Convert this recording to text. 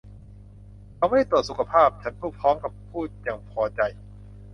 'เขาไม่ได้ตรวจสุขภาพ' ฉันพูดพร้อมกับพูดอย่างพอใจ